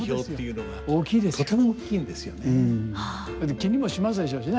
気にもしますでしょうしね